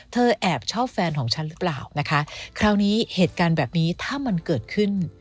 แอบชอบแฟนของฉันหรือเปล่านะคะคราวนี้เหตุการณ์แบบนี้ถ้ามันเกิดขึ้น